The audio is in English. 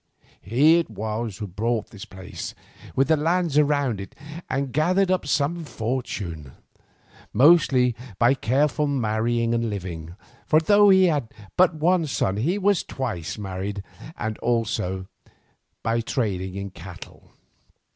He it was who bought this place with the lands round it, and gathered up some fortune, mostly by careful marrying and living, for though he had but one son he was twice married, and also by trading in cattle.